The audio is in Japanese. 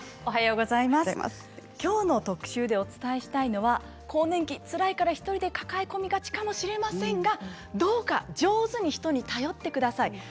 きょうの特集でお伝えしたいのは更年期つらいから１人で抱え込みがちかもしれませんがどうか上手に人に頼ってください。